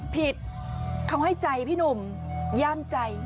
ผิดเขาให้ใจพี่หนุ่มย่ามใจ